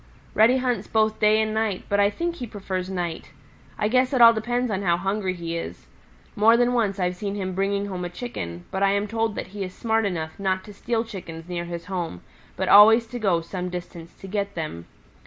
"Reddy hunts both day and night, but I think he prefers night. I guess it all depends on how hungry he is. More than once I've seen him bringing home a Chicken, but I am told that he is smart enough not to steal Chickens near his home, but always to go some distance to get them.